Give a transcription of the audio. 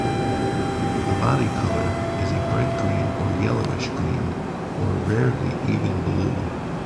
The body colour is a bright green or yellowish green or rarely even blue.